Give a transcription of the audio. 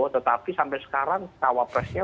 tetapi sampai sekarang cawapresnya